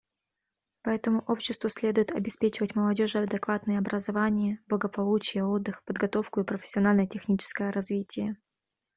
Поэтому обществу следует обеспечивать молодежи адекватные образование, благополучие, отдых, подготовку и профессионально-техническое развитие.